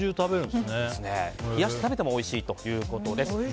冷やして食べてもおいしいということです。